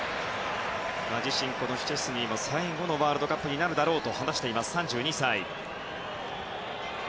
シュチェスニー自身も最後のワールドカップになるだろうと話します、３２歳。